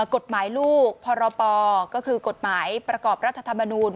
กฎหมายลูกพรปก็คือกฎหมายประกอบรัฐธรรมนูล